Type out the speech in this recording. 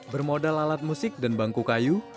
bermodal alat musik dan bangku kayu